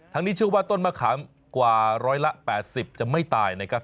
นี้เชื่อว่าต้นมะขามกว่าร้อยละ๘๐จะไม่ตายนะครับ